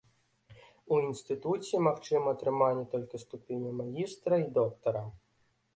У інстытуце магчыма атрыманне толькі ступеняў магістра і доктара.